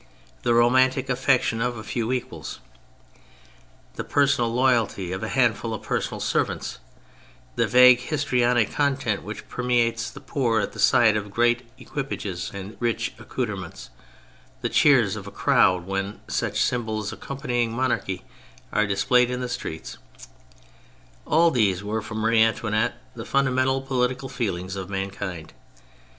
The romantic affec tion of a few equals, the personal loyalty of a handful of personal servants, the vague histrionic content which permeates the poor at the sight of great equipages and rich accoutrements, the cheers of a crowd when such symbols accompanying monarchy are displayed in the streets — all these were for Marie Antoinette the fundamental political feelings of mankind.